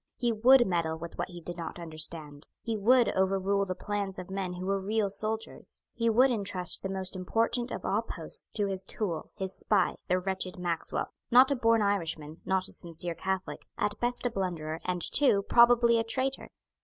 He would meddle with what he did not understand. He would overrule the plans of men who were real soldiers. He would entrust the most important of all posts to his tool, his spy, the wretched Maxwell, not a born Irishman, not a sincere Catholic, at best a blunderer, and too probably a traitor.